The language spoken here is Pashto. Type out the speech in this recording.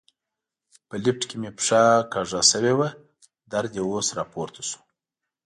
په لفټ کې مې پښه کږه شوې وه، درد یې اوس را پورته شو.